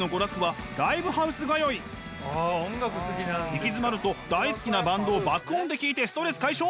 行き詰まると大好きなバンドを爆音で聴いてストレス解消！